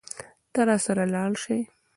ته راسره لاړ شې.